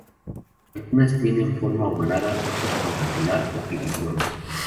Algunas la tienen de forma ovalada, otros cuadrangular o piriforme.